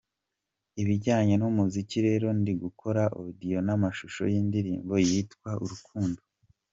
Ibijyanye n'umuziki rero ndi gukora audio n'amashusho y'indirimbo yitwa 'Urukundo'.